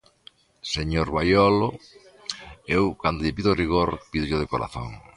Señor Baiolo, eu, cando lle pido rigor, pídollo de corazón.